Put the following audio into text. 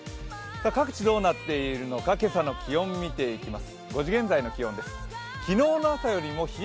各地どうなっているのか今朝の気温を見ていきます。